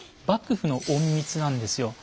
幕府の隠密なんですよ。